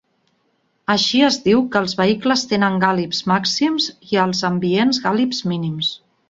Així es diu que els vehicles tenen gàlibs màxims i els ambients gàlibs mínims.